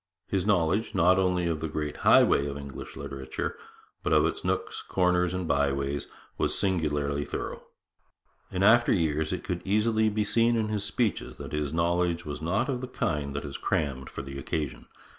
His knowledge, not only of the great highways of English literature, but of its nooks, corners, and byways, was singularly thorough. In after years it could easily be seen in his speeches that his knowledge was not of the kind that is crammed for the occasion.